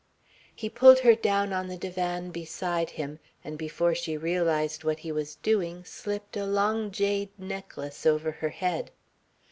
He pulled her down on the divan beside him, and before she realised what he was doing slipped a long jade necklace over her head.